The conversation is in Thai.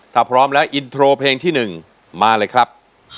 ถ้าพร้อมแล้วอินโทรเพลงที่๑มาเลยครับ